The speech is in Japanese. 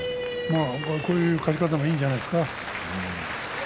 こういう勝ち方もいいんじゃないですか。